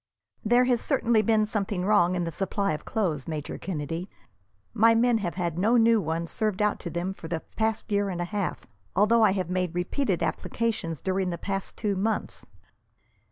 "There has certainly been something wrong in the supply of clothes, Major Kennedy. My men have had no new ones served out to them for the past year and a half, although I have made repeated applications during the past two months."